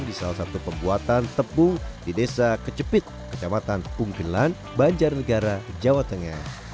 di salah satu pembuatan tepung di desa kecepit kecamatan punggelan banjarnegara jawa tengah